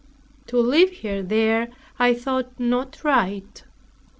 To leave her there I thought not right.